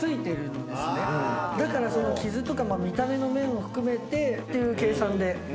だからその傷とか見た目の面を含めてという計算で。